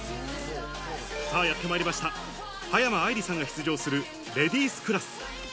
やってまいりました、葉山愛理さんが出場するレディースクラス。